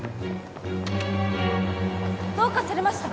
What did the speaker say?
どうかされました？